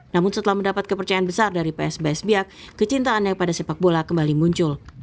namun setelah mendapat kepercayaan besar dari psbs biak kecintaannya pada sepak bola kembali muncul